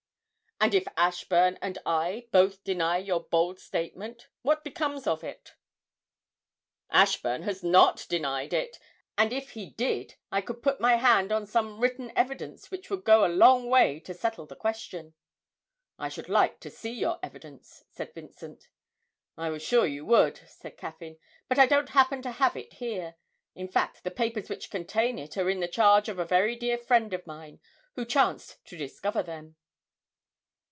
'And if Ashburn and I both deny your bold statement what becomes of it?' 'Ashburn has not denied it, and if he did I could put my hand on some written evidence which would go a long way to settle the question.' 'I should like to see your evidence,' said Vincent. 'I was sure you would,' said Caffyn, 'but I don't happen to have it here; in fact, the papers which contain it are in the charge of a very dear friend of mine, who chanced to discover them.'